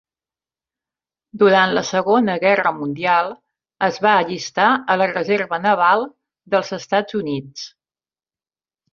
Durant la Segona Guerra Mundial es va allistar a la Reserva Naval dels Estats Units.